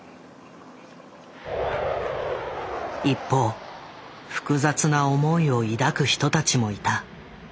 一方複雑な思いを抱く人たちもいた。